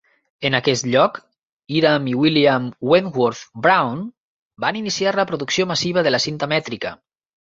En aquest lloc, Hiram i William Wentworth Brown van iniciar la producció massiva de la cinta mètrica.